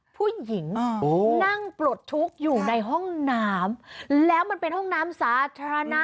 ผู้หญิงนั่งปลดทุกข์อยู่ในห้องน้ำแล้วมันเป็นห้องน้ำสาธารณะ